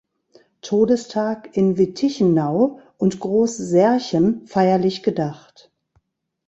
Todestag in Wittichenau und Groß Särchen feierlich gedacht.